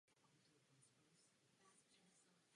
Věřím, že do budoucna bude rozdělení spravedlivější.